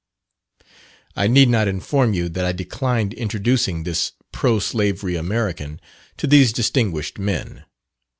I need not inform you that I declined introducing this pro slavery American to these distinguished men.